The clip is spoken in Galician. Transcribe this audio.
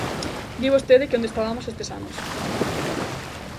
Di vostede que onde estabamos estes anos.